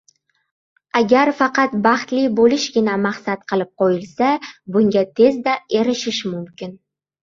Agar faqat baxtli bo‘lishgina maqsad qilib qo‘yilsa, bunga tezda erishish mumkin.